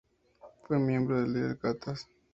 Fue miembro de Little Gatas.